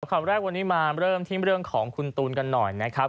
คำแรกวันนี้มาเริ่มที่เรื่องของคุณตูนกันหน่อยนะครับ